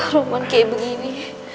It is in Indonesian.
roman kayak begini